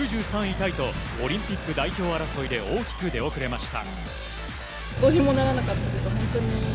タイとオリンピック代表争いで大きく出遅れました。